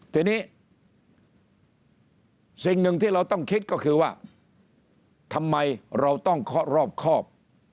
ทีนี้สิ่งหนึ่งที่เราต้องคิดก็คือว่าทำไมเราต้องเคาะรอบครอบ